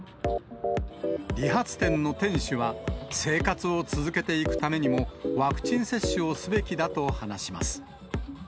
理髪店の店主は、生活を続けていくためにも、ワクチン接種をすべきだと話します。